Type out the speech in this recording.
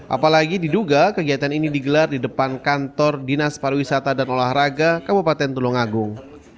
apalagi diduga kegiatan ini digelar di depan kantor dinas pariwisata dan olahraga kabupaten tulungagung